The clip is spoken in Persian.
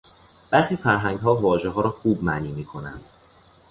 برخی فرهنگها واژهها را خوب معنی میکنند.